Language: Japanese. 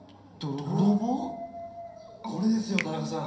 これですよ田中さん。